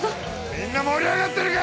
みんな盛り上がってるか！